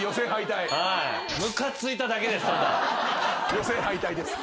予選敗退です。